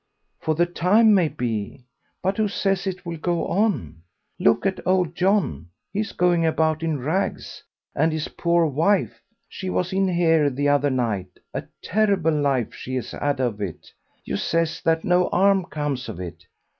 "For the time, maybe; but who says it will go on? Look at old John; he's going about in rags; and his poor wife, she was in here the other night, a terrible life she's 'ad of it. You says that no 'arm comes of it.